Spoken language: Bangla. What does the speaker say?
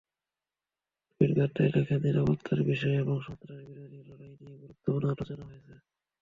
টুইট বার্তায় লেখেন, নিরাপত্তার বিষয় এবং সন্ত্রাসবিরোধী লড়াই নিয়ে গুরুত্বপূর্ণ আলোচনা হয়েছে।